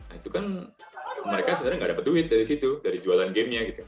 nah itu kan mereka sebenarnya nggak dapat duit dari situ dari jualan gamenya gitu